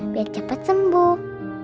biar cepat sembuh